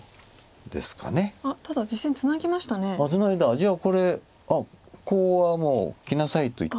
じゃあこれコウはもうきなさいと言ってるわけだ。